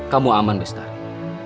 kamu aman bestari